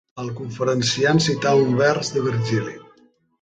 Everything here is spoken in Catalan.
El conferenciant cità un vers de Virgili.